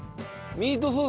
ミートソース